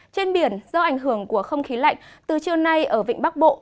trên biển do ảnh hưởng của không khí lạnh từ chiều nay ở vịnh bắc bộ